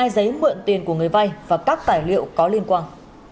một mươi hai giấy mượn tiền của người vai và các tài liệu có liên quan